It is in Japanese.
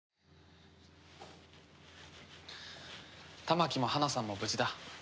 玉置も花さんも無事だ。